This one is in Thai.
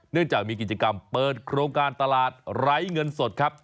เนื่องจากมีกิจกรรมเปิดโครงการตลาดไร้เงินสดครับ